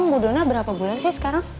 bu dona berapa bulan sih sekarang